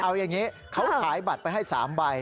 เอาอย่างนี้เขาขายบัตรไปให้๓ใบ